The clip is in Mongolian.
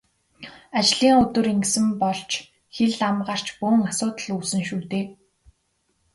Ажлын өдөр ингэсэн бол ч хэл ам гарч бөөн асуудал үүснэ шүү дээ.